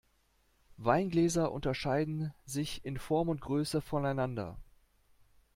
Weingläser unterscheiden sich in Form und Größe voneinander.